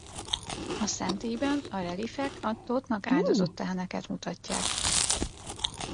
A szentélyben a reliefek a Thotnak áldozott teheneket mutatják.